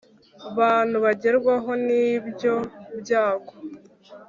bantu bagerwaho n ibyo byago